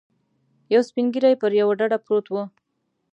یو سپین ږیری پر یوه ډډه پروت و.